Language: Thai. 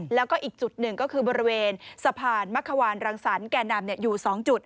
แล้วก็อีกจุดหนึ่งก็คือบริเวณสะพานมะขวานรังสรรคแก่นำอยู่๒จุด